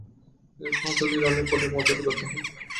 তিনি সহস্রাধিক রানের কোঠায় পৌঁছতে ব্যর্থ হন।